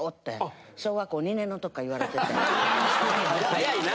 ・早いな！